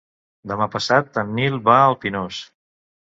Demà passat en Nil va al Pinós.